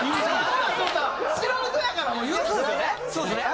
そうですね。